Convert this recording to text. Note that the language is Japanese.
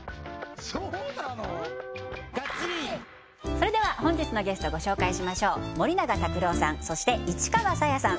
それでは本日のゲストご紹介しましょう森永卓郎さんそして市川紗椰さん